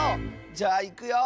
じゃあいくよ。